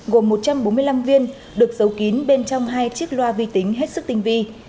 gồm một trăm bốn mươi năm viên được giấu kín bên trong hai chiếc loa vi tính hết sức tinh vi